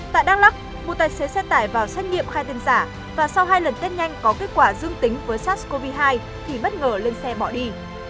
tại đắk lắc một tài xế xe tải vào xét nghiệm khai tên giả và sau hai lần test nhanh có kết quả dương tính với sars cov hai thì bất ngờ lên xe bỏ đi